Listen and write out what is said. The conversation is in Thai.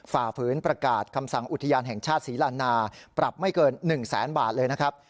ฝ่าฝืนประกาศคำสั่งอุทยานแห่งชาติศรีลานาปรับไม่เกิน๑แสนบาทเลยนะครับ